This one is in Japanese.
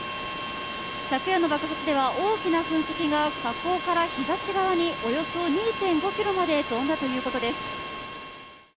昨夜の爆発では大きな噴石が火口から東側におよそ２．５ｋｍまで飛んだということです。